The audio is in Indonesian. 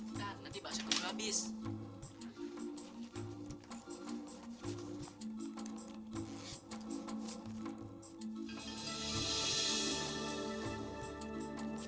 fatima gak tau mesti ngomong apa